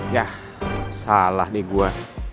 yah salah nih gue